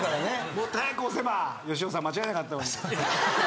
もっと早く押せば佳乃さん間違えなかったのに。